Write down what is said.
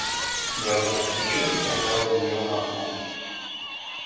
Я зажёг свечу и поставил ее на окно.